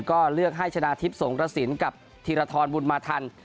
ก็เลือกให้ชนะทิพย์สงกระสินกับธีรทรบุญมาทัน